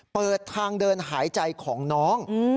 เปิดทางเดินหายใจของน้อง